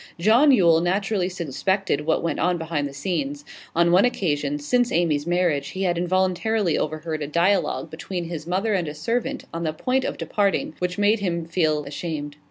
John Yule naturally suspected what went on behind the scenes; on one occasion since Amy's marriage he had involuntarily overheard a dialogue between his mother and a servant on the point of departing which made even him feel ashamed.